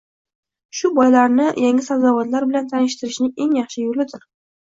Bu bolalarni yangi sabzavotlar bilan tanishtirishning eng yaxshi yo‘lidir.